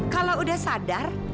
kalau udah sadar